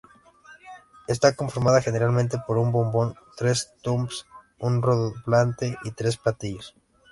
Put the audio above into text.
Está conformada generalmente por un bombo, tres toms, un redoblante y tres platillos.